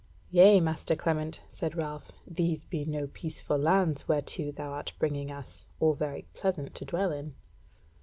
"Yea, master Clement," said Ralph, "these be no peaceful lands whereto thou art bringing us, or very pleasant to dwell in."